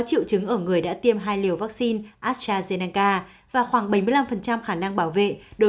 triệu chứng ở người đã tiêm hai liều vaccine astrazeneca và khoảng bảy mươi năm khả năng bảo vệ đối